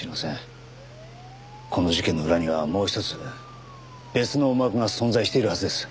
この事件の裏にはもう一つ別の思惑が存在しているはずです。